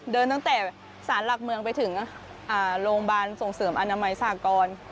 ตั้งแต่สารหลักเมืองไปถึงโรงพยาบาลส่งเสริมอนามัยสากร